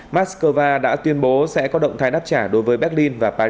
moscow đã tuyên bố sẽ có động thái đáp trả đối với berlin và palestine